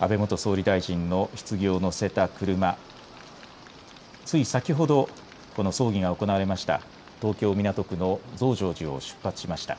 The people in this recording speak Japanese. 安倍元総理大臣のひつぎを乗せた車、つい先ほど葬儀が行われました東京港区の増上寺を出発しました。